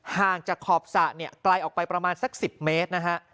ห่างจากขอบสระเนี่ยไกลออกไปประมาณสัก๑๐เมตรนะฮะ